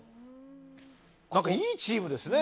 いいチームですね